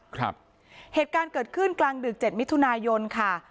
เหตุการณ์เกิดขึ้นกลางดึกเจ็ดมิถุนายนค่ะ